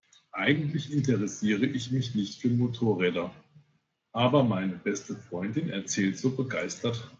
Eigentlich interessiere ich mich nicht für Motorräder, aber meine beste Freundin erzählt so begeistert.